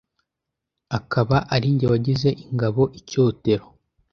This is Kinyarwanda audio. akaba ari jye wagize ingabo icyotero